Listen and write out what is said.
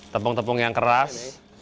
tepung tepung yang keras